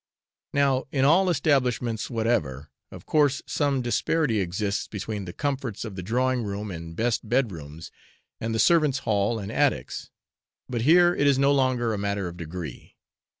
Now, in all establishments whatever, of course some disparity exists between the comforts of the drawing room and best bed rooms, and the servant's hall and attics, but here it is no longer a matter of degree.